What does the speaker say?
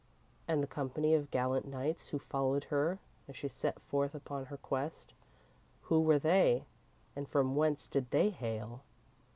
And the company of gallant knights who followed her as she set forth upon her quest who were they, and from whence did they hail?